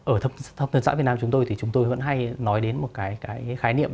ở thập thân xã việt nam chúng tôi chúng tôi vẫn hay nói đến một cái khái niệm